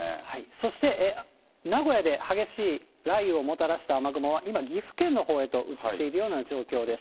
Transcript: そして名古屋で激しい雷雨をもたらした雨雲は今、岐阜県のほうへと移っているような状況です。